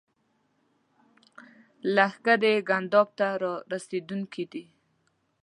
لښکرې ګنداب ته را رسېدونکي دي.